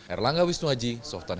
erlangga wisnuaji softanik